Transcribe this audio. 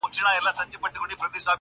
له نظمونو یم بېزاره له دېوانه یمه ستړی.!